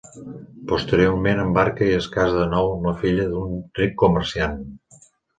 Posteriorment embarca i es casa de nou amb la filla d'un ric comerciant.